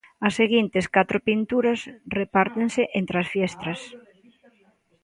As seguintes catro pinturas repártense entre as fiestras.